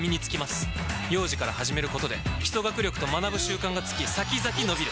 幼児から始めることで基礎学力と学ぶ習慣がつき先々のびる！